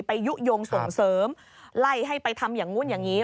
ยุโยงส่งเสริมไล่ให้ไปทำอย่างนู้นอย่างนี้